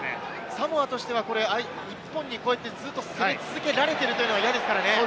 サモアとしては日本にずっと競り続けられているというのは嫌ですからね。